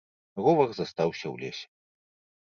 Ровар застаўся ў лесе.